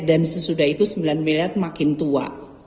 dan sesudah itu sembilan miliar makin tua